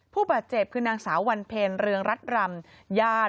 ผู้บาดเจ็บคือนางสาววันเพลเรืองรัฐรำญาติ